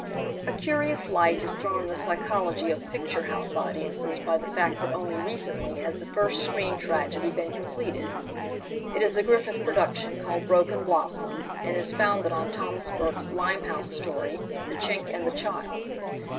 47 EDTA curious light is thrown on the psychology of picture house audiences by the fact that only recently has the first screen tragedy been completed. It is a Griffith production called "Broken Blossoms," and is founded on Thomas Burke's Limehouse story "The Chink and the Child."